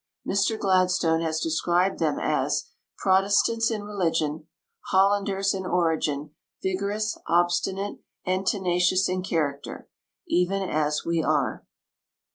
Mr Glad.stone has described them as " Protestants in religion, Hollanders in origin, vigorous, obstinate, and tenacious in character, even as we are."